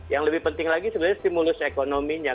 yang lebih penting lagi sebenarnya stimulus ekonominya